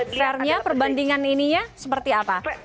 fairnya perbandingan ininya seperti apa